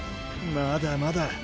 まだまだ！